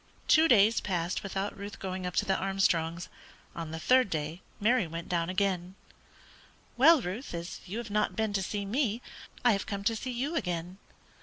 Two days passed without Ruth going up to the Armstrongs'; on the third day Mary again went down. "Well, Ruth, as you have not been to see me, I have come to see you again."